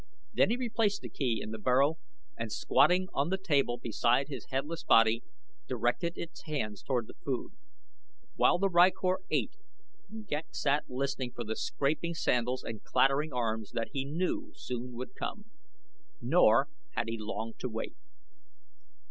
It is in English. Then he replaced the key in the burrow and squatting on the table beside his headless body, directed its hands toward the food. While the rykor ate Ghek sat listening for the scraping sandals and clattering arms that he knew soon would come. Nor had he long to wait.